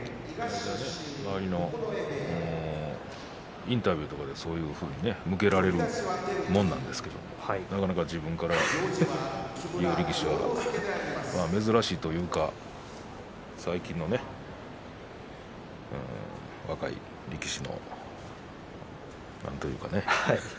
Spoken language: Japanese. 周りのインタビューとかでそういうふうに向けられるものなんですけれどもなかなか自分から聞く力士は珍しいというか最近のね若い力士のなんというかね。